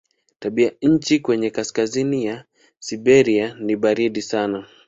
Tabianchi kwenye kaskazini ya Siberia ni baridi sana.